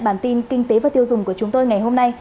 bản tin kinh tế và tiêu dùng của chúng tôi ngày hôm nay